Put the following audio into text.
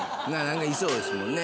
何かいそうですもんね。